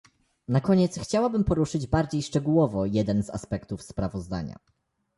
Na koniec chciałabym poruszyć bardziej szczegółowo jeden z aspektów sprawozdania